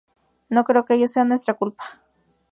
No creo que ellos sean nuestra culpa.